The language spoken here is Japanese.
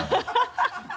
ハハハ